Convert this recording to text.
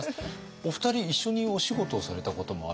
お二人一緒にお仕事をされたこともある？